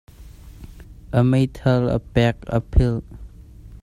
A meithal a ṭek a phelh.